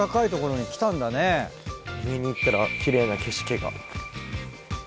上に行ったら奇麗な景色が。